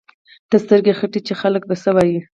ته سترګې ختې چې خلک به څه وايي.